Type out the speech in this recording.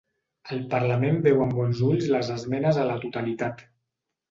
El parlament veu amb bons ulls les esmenes a la totalitat